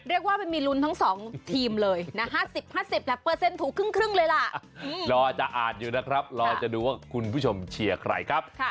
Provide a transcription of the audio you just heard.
เรียกว่ามีรุนทั้งสองทีมเลยนะ๕๐๕๐แต่เปอร์เซ็นต์ถูกครึ่งเลยล่ะ